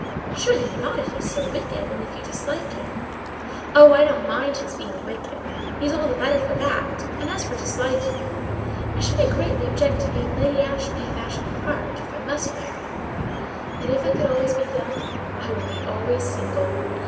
"Surely not, if he's so wicked, and if you dislike him?" "Oh, I don't mind his being wicked: he's all the better for that; and as for disliking him—I shouldn't greatly object to being Lady Ashby of Ashby Park, if I must marry. But if I could be always young, I would be always single.